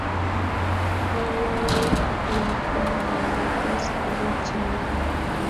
Ng'alalin lakwana ne tos ile chi neo.